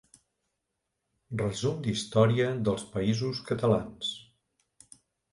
Resum d'història dels països catalans.